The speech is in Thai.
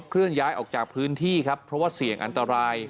เคลื่อนย้ายออกจากพื้นที่ครับเพราะว่าเสี่ยงอันตราย